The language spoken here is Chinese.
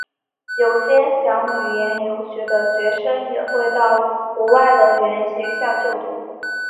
有些想语言游学的学生也会到国外的语言学校就读。